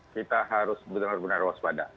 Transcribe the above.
kita harus benar benar waspada